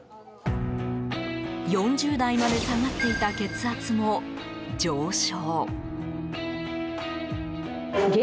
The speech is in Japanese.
４０台まで下がっていた血圧も上昇。